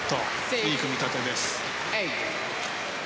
いい組み立てです。